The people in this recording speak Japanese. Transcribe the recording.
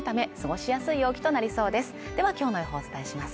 きょうの予報を伝えします